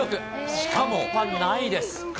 しかも半端ないです。